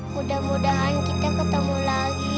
mudah mudahan kita ketemu lagi